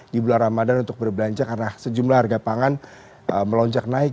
di bulan ramadan untuk berbelanja karena sejumlah harga pangan melonjak naik